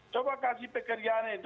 coba kasih pekerjaan itu